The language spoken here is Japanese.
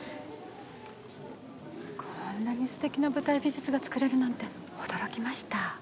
こんなにすてきな舞台美術が作れるなんて驚きました。